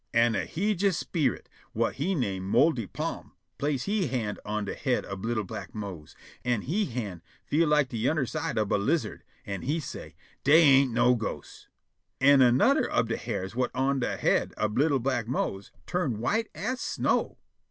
An' a heejus sperit whut he name Moldy Pa'm place' he hand on de head ob li'l' black Mose, an' he hand feel like de yunner side ob a lizard, an' he say': "Dey ain't no ghosts." An' anudder ob de hairs whut on de head ob li'l' black Mose turn white as snow.